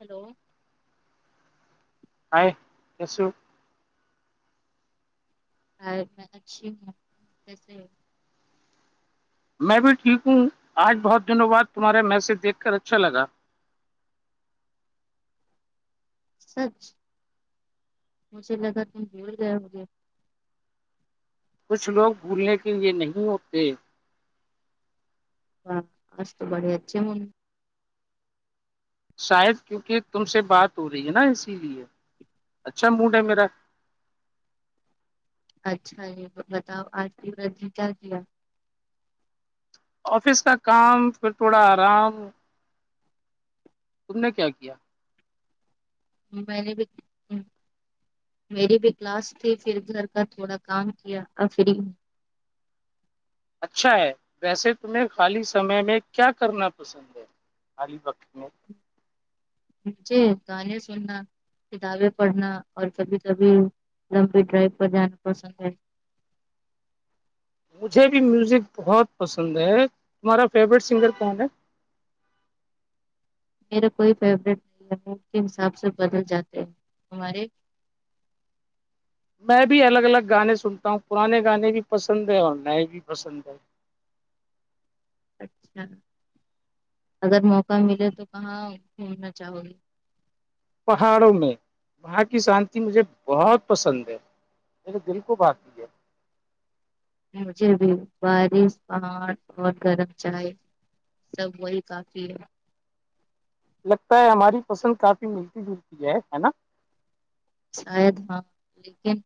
Hello آئ کیسو میں اچھی ہوں کیسے میں بھی ٹھیک ہوں آج بہت دنوں باد تمہارا میسج دیکھ کر اچھا لگا سچ مجھے لگا تم بھیل گیا ہوے کچھ لوگ بھولنے کے لیے نہیں ہوتے آج تو بڑی جاے من شاید کیونکہ تم سے بات ہو رہی ہے نا اسی لیے اچھا موڈ ہے میرا اچھا یہ بتاؤ آج کی دی کیا کیا آفس کا کام پھر تھوڑا آرام تم نے کیا کیا میں نے بھی میری بھی کلاس تھی پھر گھر کا تھوڑا کام کیا فری اچھا ہے ویسے تمہیں خالی سمے میں کیا کرنا پسند ہے خال وقت میں مجھے گانے سنا کتابیں پڑھنا اور کبھی کبھی لمبی ڈرائیو پر جانا پسند ہے مجھے بھی میوزک بہت پسند ہے تمہارا فیوریٹ سنگر کون ہے میرا کوئی فیورٹ کے حساب سے بدل جاتے ہیں ہمارے میں بھی الگ الگ گانے سنتا ہوں پرانے گانے بھی پسند ہے اور نئے بھی پسند ہے اچھا اگر موقع ملے تو کہاں گھومنا چاہو گے پہاڑوں میں وہاں کی شانتی مجھے بہت پسند ہے میرے دل کو باقی ہے مجھے بھی بارش پہاٹ اور گرم چائے سب وہی کافی ہے لگتا ہے ہماری پسند کافی ملتی جلتی ہے ہے نا شاید ہاں لیکن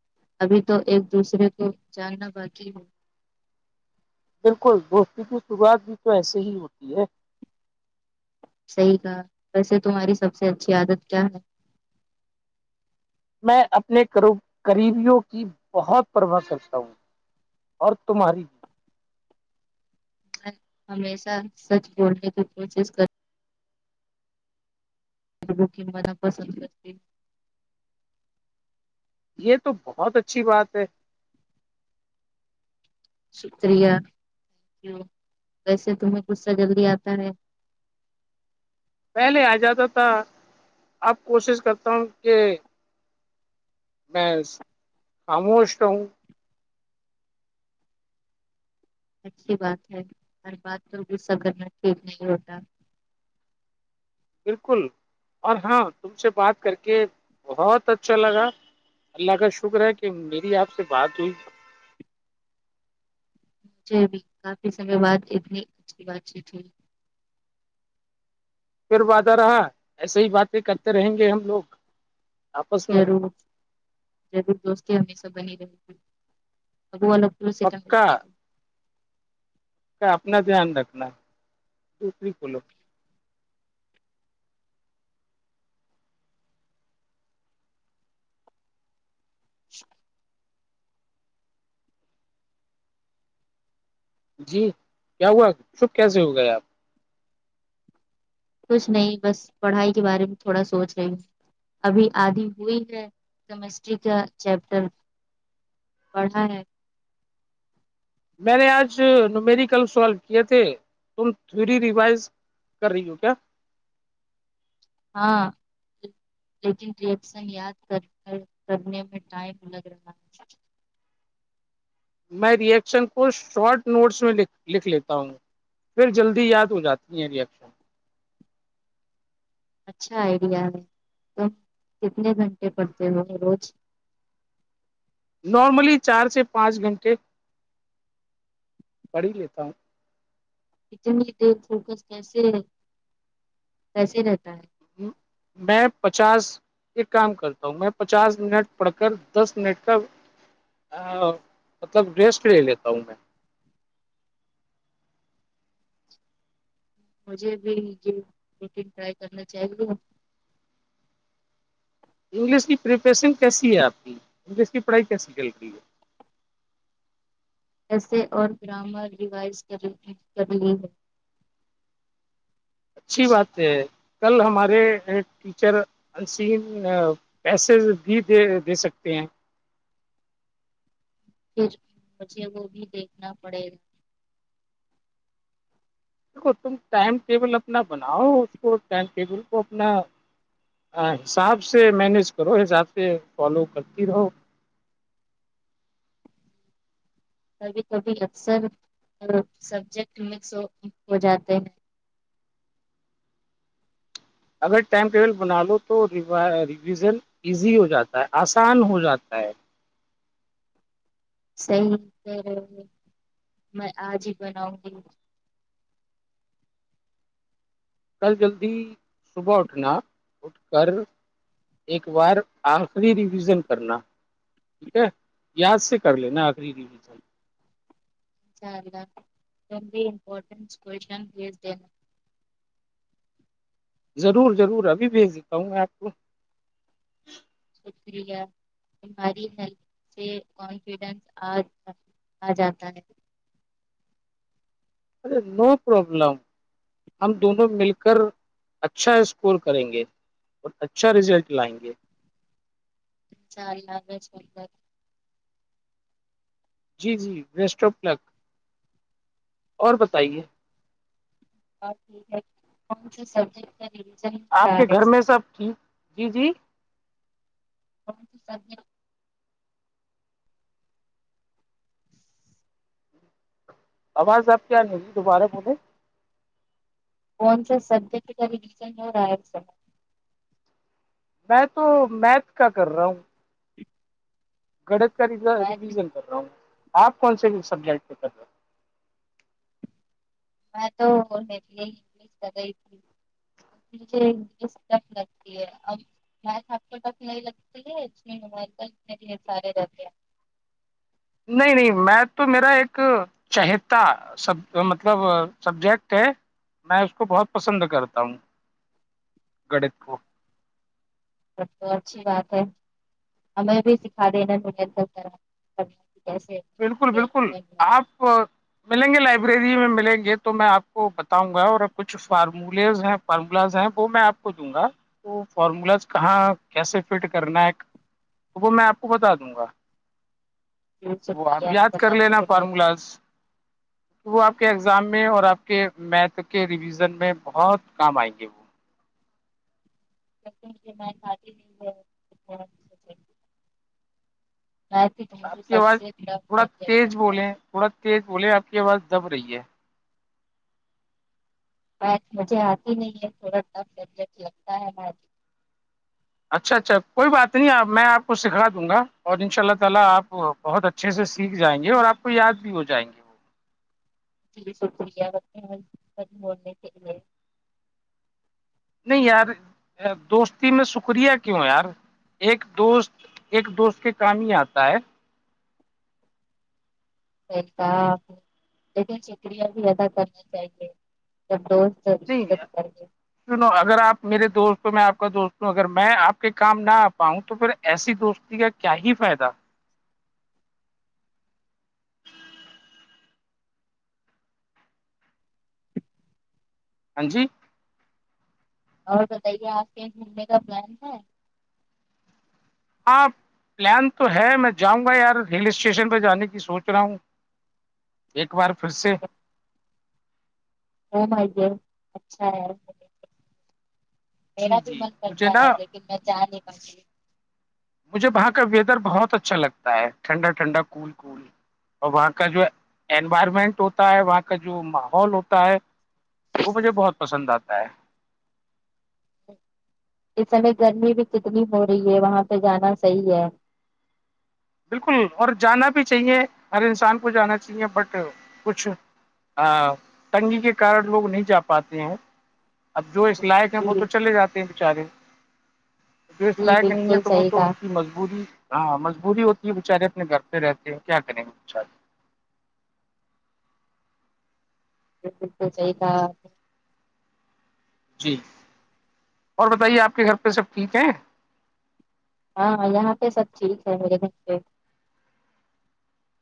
ابھی تو ایک دوسرے کو جگنا باقی ہو بالکل دوستی کی شروعات بھی تو ایسے ہی ہوتی ہے صحیح کہا ویسے تمہاری سب سے اچھی عادت کیا ہے میں اپنے کرو قریبیوں کی بہت پرواہ کرتا ہوں اور تمہاری بھی میں ہمیشہ سچ بولنے کی کوشش کر لوکنگ مناا پسند کرتے یہ تو بہت اچھی بات ہے شکریہک یو کیسے تمہیں غصہ جلدی آتا ہے پہلے آ جاتا تھا اب کوشش کرتا ہوں کہ میں کااموش ہوں اچھی بات ہے ہر بات تو غصہ کرنا ٹھیک نہیں ہوتا بالکل اور ہاں تم سے بات کر کے بہت اچھا لگا اللہ کا شکر ہے کہ میری آپ سے بات ہوئی بھی کافی سمے بعد اتنی اچھی بات چیت تھی پھر وعدہ رہا ایسے ہی باتیں کرتے رہیں گے ہم لوگ آپس میں ضرور ضرور دوستی ہمیشہ بنی رہی گ ا وہ الگ پور سے کہا پکا کا اپنا دھیان رکھنا دوسری کولو [unintelligible] جی کیا ہوا شب کیسے ہو گئے آپ کچھ نہیں بس پڑھائی کے بارے میں تھوڑا سوچ رہی ہوں ابھی آدھی ہوئی ہے کیمسٹری کا چیپٹر پڑھا ہے میں نے آج ن مری کل سالو کیے تھے تم تی ریوائز کر رہی ہو کیا ہاں لیکن رشن یاد کر کر کرنے میں ٹائم لگ رہا ہے میں ری ایکشن کو شارٹ نوٹس میں لکھ لیتا ہوں پھر جلدی یاد ہو جاتی ہیں ریئشن اچھا آئیڈیا ہے تم کتنے گھنٹے پڑھتے ہو روز نارملی چار سے پانچ گھنٹے پڑھ ہی لیتا ہوں اتنی فوکس کیسے کیسے رہتا ہے میں پچاس ایک کام کرتا ہوں میں پچاس منٹ پڑ کر دس منٹ کا ہ مطلب ڈریس کے لے لیتا ہوں میں مجھے بھی یہ روٹین ٹرائی کرنا چاہیے انگلش کی پریپریشن کیسی ہے آپ کی انگلش کی پڑھائی کیسی چل رہی ہے کیسے اور گرامر ریوائز کر کرنی ہے اچھی بات ہے کل ہمارے ٹیچر انین پیس بھی دے دے سکتے ہیں پھر مجھے وہ بھی دیکھنا پڑے گا دیکھو تم ٹائم ٹیبل اپنا بناؤ اس کو ٹائم ٹیبل کو اپنا حساب سے مینیج کرو حساب سے فالو کرتی رہو کبھی کبھی اکثر سبجیکٹ مکس ہو جاتے ہیں اگر ٹائم ٹیبل بنا لو تو ریویژن ایزی ہو جاتا ہے آسان ہو جاتا ہے صحیح کہ رہے ہیں میں آج ہی بناؤں گی کل جلدی صبح اٹھنا اٹھ کر ایک بار آخری ریویژن کرنا ٹھیک ہے یاد سے کر لینا آخری ریویزن اء اللہ بھیمپٹنٹن بھی دینا ضرور ضرور ابھی بھیج دیتا ہوں میں آپ کو شکریہ تہاری ہیل سے کانفیڈینس آ جاتا ہے ارے نو پروبلم ہم دونوں مل کر اچھا اسکور کریں گے اور اچھا رزلٹ لائیں گے [unintelligible] جی جی ریسٹو پلک اور بتائیے اور ٹھیک ہے کون سی سبزی [unintelligible] آپ کے گھر میں سب ٹھیک جی جی اور سبھی آواز آپ کیا ہیں جی دوبارہ بولیں فون سے سد کھری ڈیزائن ہو رہا ہے س میں تو میتھ کا کر رہا ہوں گڑت کا میں ریویزن کر رہا ہوں آپ کون سے سبجیکٹ پہ کر میں تو متھ انگلش کری تھی مجھے ڈسٹپ لگتی ہے اب مچ آپ کے پاس نہیں لگتی ہے ا میں ہماریے اتنے بھی سارے رہتے ہیں نہیں نہیں میں تو میرا ایک چہتا سب مطلب سبجیکٹ ہے میں اس کو بہت پسند کرتا ہوں گڑ کو سب تو اچھی بات ہے ہمیں بھی سکھا دینا کیسے بالکل کیا بالکل جاتا ہے نومیریکل۔ آپ ملیں گے لائبریری میں ملیں گے تو میں آپ کو بتاؤں گا اور کچھ فارمولیز ہیں فارمولاز ہیں وہ میں آپ کو دوں گا وہ فارمولاز کہاں کیسے فٹ کرنا ہے تو وہ میں آپ کو بتا دوں گا وہ آپ شکریہ یاد کر بتانے لینا کے لیے فارمولاز وہ آپ کے ایگزام میں اور آپ کے میتھ کے ریویژن میں بہت کام آئیں گے وہ ل میں کھی نہیں ہے ہاں میتھ تو آپ مجھے کی سب آواز سے ٹف تھوڑا سبجیکٹ لگتا تیز ہے بولیں تھوڑا تیز بولیں آپ کی آواز دب رہی ہے ٹ مجھے آتی نہیں ہے تھوڑا سا فبٹ لگتا ہے [unintelligible] بہت اچھے سے سیکھ جائیں گے اور آپ کو یاد بھی ہو جائیں گے جی شکریہ بنے ہوڑنے کے لیے نہیں یار دوستی میں شکریہ کیوں یار ایک دوست ایک دوست کے کام ہی آتا ہے لیکن شکرییاں بھی ادا کرنی چاہیے جب رز نہیں جرب کر اگر آپ میرے دوست ہو میں آپ کا دوست ہوں اگر میں آپ کے کام نہ آ پاؤں تو پھر ایسی دوستی کا کیا ہی فائدہ ہاں جی اور بتائیے آپ کےیں گھومنے کا پلان ہے ہاں پلان تو ہے میں جاؤں گا یار ہل اسٹیشن پہ جانے کی سوچ رہا ہوں ایک بار پھر سے اچھا ہے میرا جی بھی جی من مجھے کرتا رہ نا لیکن میں چاہ نہیں بچ مجھے وہاں کا ویدر بہت اچھا لگتا ہے ٹھنڈا ٹھنڈا کو کول اور وہاں کا جو انوائرمنٹ ہوتا ہے وہاں کا جو ماحول ہوتا ہے وہ مجھے بہت پسند آتا ہے اس سمے گرمی بھی کتنی ہو رہی ہے وہاں پہ جانا صحیح ہے بالکل اور جانا بھی چاہیے ہر انسان کو جانا چاہیے بٹ کچھ ہ تٹنگی کے کارن لوگ نہیں جا پاتے ہیں اب جو اس لائق ہیں وہ جی تو چلے جاتے ہیں بچارے جو اس جی لائق نہیں ہے بالکل تو وہ صحیح تو ان کہا کی مجبوری ہاں مجبوری ہوتی یہ بیےچارے اپنے گھر پہ رہتے ہیں کیا کریں گے بچارے کھ تو صحی تھا جی اور بتائیے آپ کے گھر پہ سب ٹھیک ہیں ہاں یہاں پہ سب ٹھیک ہے میرے گھر پہ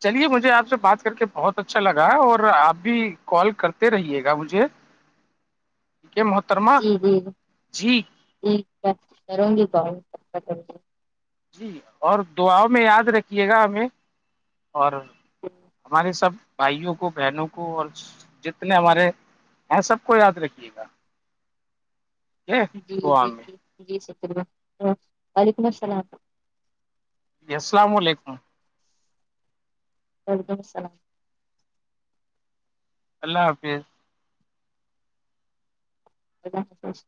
چلیے مجھے آپ سے بات کر کے بہت اچھا لگا اور آپ بھی کال کرتے رہیے گا مجھے [unintelligible] مہترم جی جی جی ٹھیک ہے کروں گی کال جی اور دعاؤ میں یاد رکھیے گا ہمیں اور ہمارے سب بھائیوں کو بہنوں کو اور جتنے ہمارے ہیں سب کو یاد رکھیے گا ٹھیک ہے جی دعا جی جی جی شکریہ وعلیکم السلام السلام علیکم وعلیکم السلام اللہ حافظ خدا حافظ